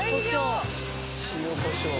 コショウ。